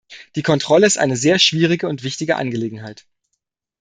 Die Kontrolle ist eine sehr schwierige und wichtige Angelegenheit.